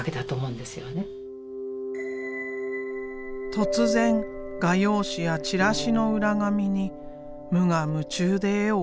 突然画用紙やチラシの裏紙に無我夢中で絵を描き始めた。